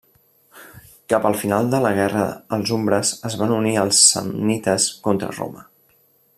Cap al final de la guerra els umbres es van unir als samnites contra Roma.